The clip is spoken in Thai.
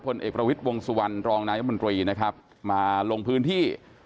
พลเอกรวิตวงศ์สุวรรณรองนายบนกวีมาลงพื้นที่